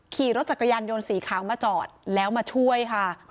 ขี่รถจักรยานยนต์สีขาวมาจอดแล้วมาช่วยค่ะ